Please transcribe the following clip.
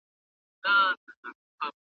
--------------- زرا